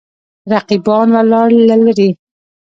رقیبان ولاړ له لرې.